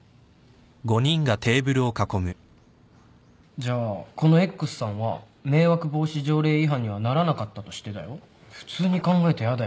じゃあこのＸさんは迷惑防止条例違反にはならなかったとしてだよ普通に考えてやだよね。